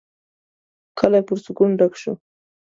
کلی پر سکون ډک شو.